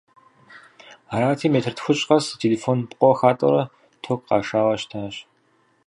Арати, метр тхущӀ къэс зы телефон пкъо хатӀэурэ ток къашауэ щытащ.